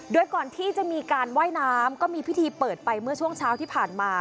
โดยก่อนที่จะมีการว่ายน้ำก็มีพิธีเปิดไปเมื่อช่วงเช้าที่ผ่านมา